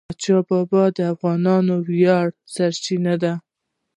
احمدشاه بابا د افغانانو د ویاړ سرچینه ده.